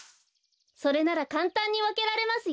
それならかんたんにわけられますよ。